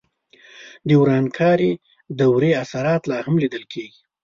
د ورانکارې دورې اثرات لا هم لیدل کېدل.